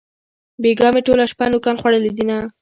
بېگاه مې ټوله شپه نوکان خوړلې دينه